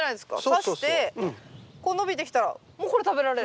さしてこう伸びてきたらもうこれ食べられる。